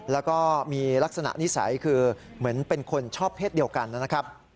แล้วก็มีลักษณะนิสัยคือเหมือนเป็นคนชอบเพศเดียวกันนะครับ